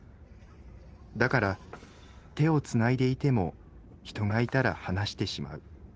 だから手を繋いでいても人がいたら離してしまう。